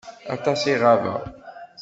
Aṭas i ɣabeɣ.